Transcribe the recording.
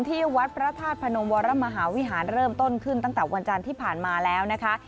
ที่วัดพระธาตุพนมวรมหาวิหารเริ่มต้นขึ้นตั้งแต่วันจันทร์ที่ผ่านมาแล้วนะคะ